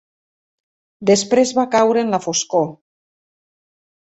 Després va caure en la foscor.